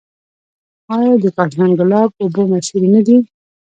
آیا د کاشان ګلاب اوبه مشهورې نه دي؟